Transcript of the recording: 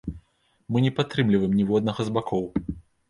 Мы не падтрымліваем ніводнага з бакоў.